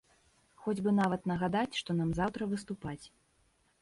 Хоць бы нават нагадаць, што нам заўтра выступаць.